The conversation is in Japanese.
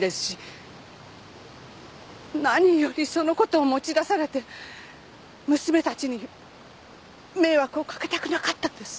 何よりそのことを持ち出されて娘たちに迷惑を掛けたくなかったんです。